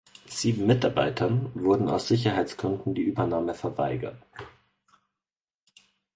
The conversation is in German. Sieben Mitarbeitern wurden aus Sicherheitsgründen die Übernahme verweigert.